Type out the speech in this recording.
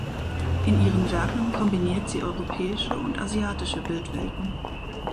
In ihren Werken kombiniert sie europäische und asiatische Bildwelten.